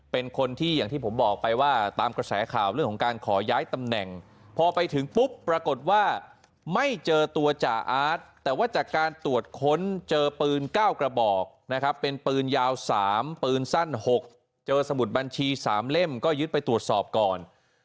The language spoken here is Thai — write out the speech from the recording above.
เป็นคนที่อย่างที่ผมบอกไปว่าตามกระแสข่าวเรื่องของการขอย้ายตำแหน่งพอไปถึงปุ๊บปรากฏว่าไม่เจอตัวจ่าอาร์ตแต่ว่าจากการตรวจค้นเจอปืน๙กระบอกนะครับเป็นปืนยาว๓ปืนสั้น๖เจอสมุดบัญชี๓เล่มก็ยึดไปตรวจสอบก่อน